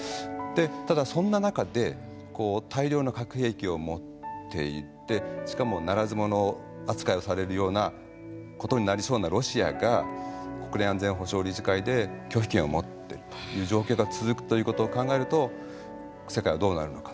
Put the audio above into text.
ただそんな中で大量の核兵器を持っていてしかもならず者扱いをされるようなことになりそうなロシアが国連安全保障理事会で拒否権を持っているという状況が続くということを考えると世界はどうなるのかと。